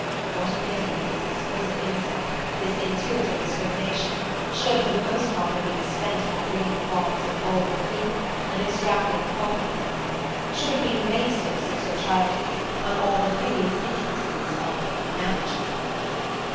What a pity that this exquisite insight, this intuitive discrimination, should for the most part have been spent upon reading the thoughts of vulgar people, and extracting a profit from them should have been wasted, since her childhood, on all the hideous intricacies of "managing"!